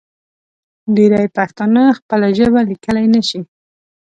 ډېری پښتانه خپله ژبه لیکلی نشي.